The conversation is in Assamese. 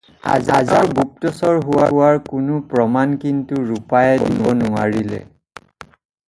আজানৰ গুপ্তচৰ হোৱাৰ কোনো প্ৰমান কিন্তু ৰূপায়ে দিব নোৱাৰিলে।